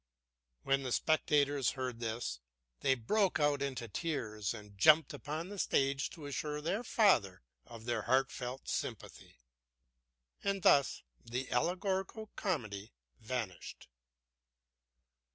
When the spectators heard this, they broke out into tears and jumped upon the stage to assure their father of their heartfelt sympathy. And thus the allegorical comedy vanished.